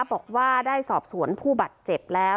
บอกว่าได้สอบสวนผู้บาดเจ็บแล้ว